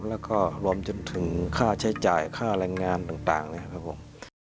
แล้วก็รวมจนถึงค่าใช้จ่ายค่าแรงงานต่างนะครับผม